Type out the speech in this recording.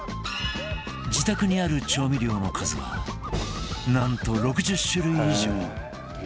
自宅にある調味料の数はなんと６０種類以上